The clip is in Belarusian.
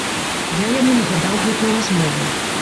Я яму нагадаў гэтую размову.